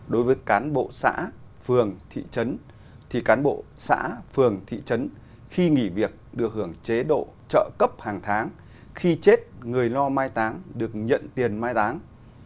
đối với cán bộ xã phường thị trấn thì cán bộ xã phường thị trấn khi nghỉ việc được hưởng chế độ trợ cấp hàng tháng khi chết người lo mai táng được nhận tiền mai táng